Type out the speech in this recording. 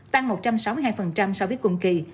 tăng một trăm sáu mươi hai so với cùng kỳ